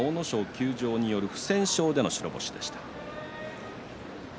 休場による不戦勝による白星でした。